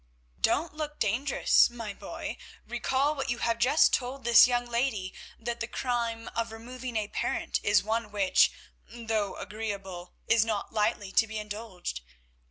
Don't look dangerous, my boy; recall what you have just told this young lady, that the crime of removing a parent is one which, though agreeable, is not lightly to be indulged.